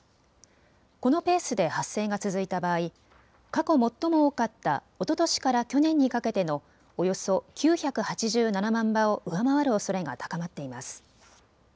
このペースで発生が続いた場合、過去最も多かったおととしから去年にかけてのおよそ９８７万羽を上回るおそれが高まっています。